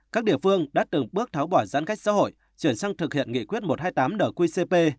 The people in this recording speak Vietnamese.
các địa phương đã từng bước tháo bỏ giãn cách xã hội chuyển sang thực hiện nghị quyết một trăm hai mươi tám nqcp